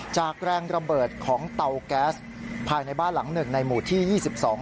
จากแรงระเบิดของเตาแก๊สภายในบ้านหลังหนึ่งในหมู่ที่ยี่สิบสอง